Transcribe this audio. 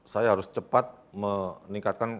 saya harus cepat meningkatkan